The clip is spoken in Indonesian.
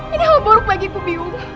ini hal buruk bagiku byung